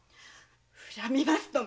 恨みますとも！